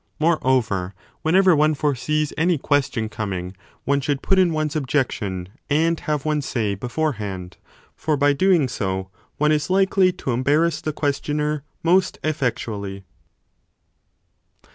Moreover, whenever one foresees any question coming, one should put in one s objection and have one s say before hand : for by doing so one is likely to embarrass the ques tioner most effectually.